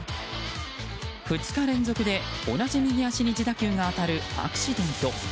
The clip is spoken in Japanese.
２日連続で同じ右足に自打球が当たるアクシデント。